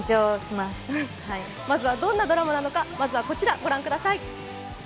まずはどんなドラマなのかこちらご覧ください。